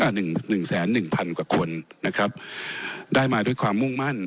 หนึ่งหนึ่งแสนหนึ่งพันกว่าคนนะครับได้มาด้วยความมุ่งมั่น